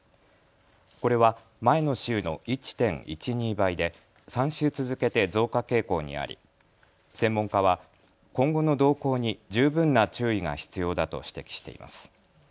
これは前の週の１．１２倍で３週続けて増加傾向にあり専門家は今後の動向に十分な注意が必要だと指摘しています。